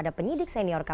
dan mulai hari ini juga